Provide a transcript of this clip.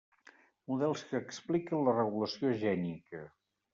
Models que expliquen la regulació gènica.